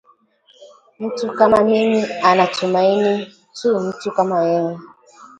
Mtu kama mimi anatumaini tu mtu kama yeye